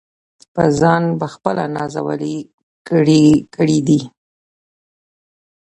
پۀ ځان پۀ خپله نازلې کړي دي -